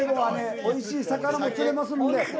おいしい魚も釣れますので。